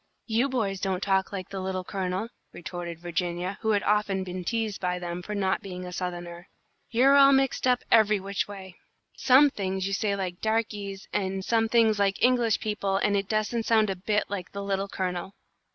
"You boys don't talk like the Little Colonel," retorted Virginia, who had often been teased by them for not being a Southerner. "You're all mixed up every which way. Some things you say like darkeys, and some things like English people, and it doesn't sound a bit like the Little Colonel."